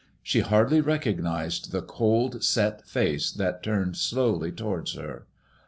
She hardly recognized the cold set face that turned slowly towards her.